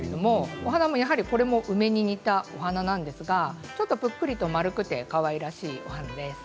お花も梅に似たお花なんですがふっくらと丸くてかわいらしいお花です。